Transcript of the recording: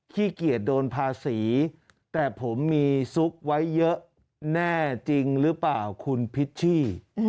ขี้เกียจโดนภาษีแต่ผมมีซุกไว้เยอะแน่จริงหรือเปล่าคุณพิชชี่